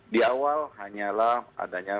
di awal hanyalah adanya